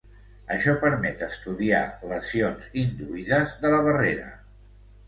Això permet estudiar lesions induïdes de la barrera.